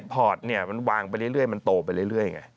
พอตเนี่ยมันวางไปเรื่อยมันโตไปเรื่อยไง